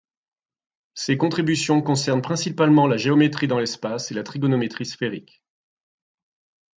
Ses contributions concernent principalement la géométrie dans l'espace et la trigonométrie sphérique.